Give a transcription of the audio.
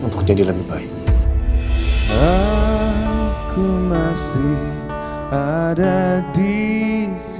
saya ingin memperbaiki pernikahan kita